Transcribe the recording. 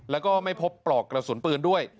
แล้วก็ไม่พบปลอกกระสุนปืนด้วย